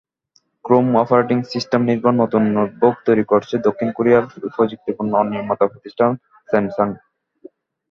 Chrome operating সিস্টেমনির্ভর নতুন notebook তৈরি করছে দক্ষিণ কোরিয়ার প্রযুক্তিপণ্য নির্মাতা প্রতিষ্ঠান স্যামসাং।